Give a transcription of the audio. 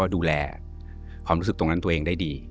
ดูแลความรู้สึกตรงนั้นตัวเองได้ดี